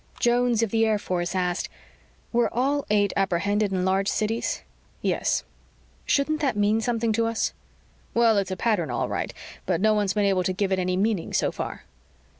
Jones of the Air Force asked, "Were all eight apprehended in large cities?" "Yes." "Shouldn't that mean something to us?" "Well, it's a pattern, all right, but no one's been able to give it any meaning so far."